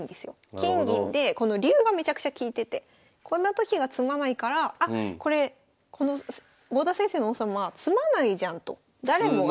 金銀でこの竜がめちゃくちゃ利いててこんなときは詰まないからあこれこの郷田先生の王様詰まないじゃんと誰もが。